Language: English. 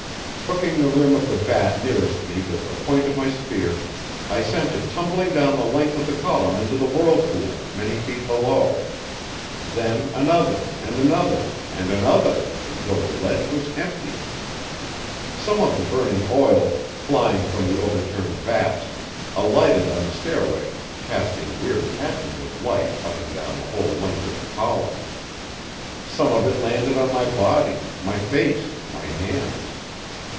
Hooking the rim of the vat nearest me with the point of my spear, I sent it tumbling down the length of the column into the whirlpool, many feet below. Then another, and another, and another, until the ledge was empty. Some of the burning oil, flying from the overturned vats, alighted on the stairway, casting weird patches of light up and down the whole length of the column. Some of it landed on my body, my face, my hands.